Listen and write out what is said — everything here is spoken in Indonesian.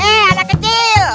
eh anak kecil